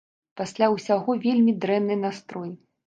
Пасля ўсяго вельмі дрэнны настрой.